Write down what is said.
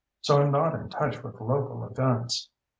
So I'm not in touch with local events."